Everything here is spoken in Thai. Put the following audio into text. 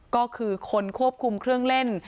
ก็คือคนควบคุมเครื่องเล่น